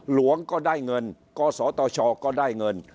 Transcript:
หลวงก็ได้เงินกศตชก็ได้เงิน